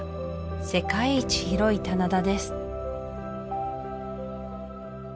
世界一広い棚田です